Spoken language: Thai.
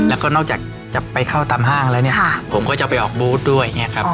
แล้วก็นอกจากจะไปเข้าตามห้างแล้วเนี่ยผมก็จะไปออกบูธด้วยอย่างนี้ครับ